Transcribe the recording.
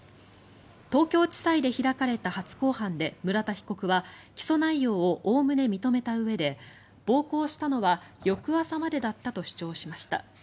東京地裁で開かれた初公判で村田被告は起訴内容をおおむね認めたうえで暴行したのは翌朝までだったと主張しました。